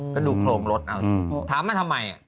ก็ดูโครงรถเอาถามมาทำไม